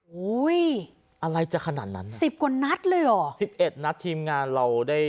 โหยอะไรจะขนาดนั้น๑๐กว่านั๊ตเลยก็๑๑นัดทีมงานเราได้